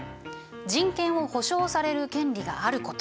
「人権を保障される権利があること」